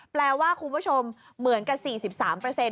แปลว่าคุณผู้ชมเหมือนกัน๔๓